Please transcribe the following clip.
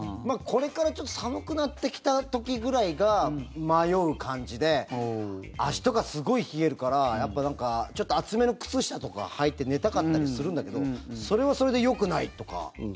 これから寒くなってきた時ぐらいが迷う感じで足とかすごい冷えるからちょっと厚めの靴下とかをはいて寝たかったりするんだけどそれはそれでよくないとか。